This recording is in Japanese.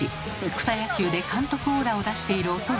草野球で監督オーラを出しているおとうさん。